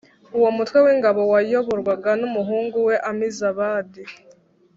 uwo mutwe w ingabo wayoborwaga n umuhungu we Amizabadi